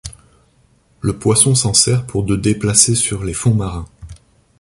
Le poisson s'en sert pour de déplacer sur les fonds marins.